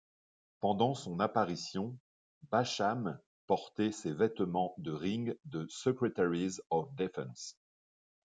Pendant son apparition, Basham portait ses vêtements de ring de Secretaries of Defense.